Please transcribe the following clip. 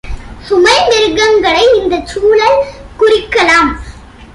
சுமை மிருகங்களை இந்தச் சூழல் குறிக்கலாம்.